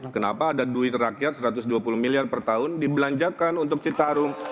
kenapa ada duit rakyat satu ratus dua puluh miliar per tahun dibelanjakan untuk citarum